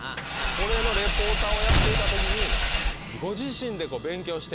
これのリポーターをやっていた時にご自身で勉強して。